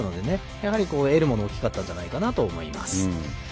やはり得るものも大きかったんじゃないかと思います。